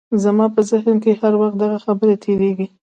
زما په ذهن کې هر وخت دغه خبرې تېرېدې.